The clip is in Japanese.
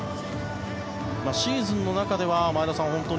シーズンの中では前田さん